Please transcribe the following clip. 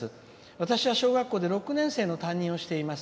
「私は小学校で６年生の担任をしています。